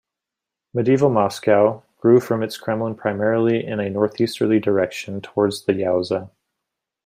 Medieval Moscow grew from its Kremlin primarily in a northeasterly direction, towards the Yauza.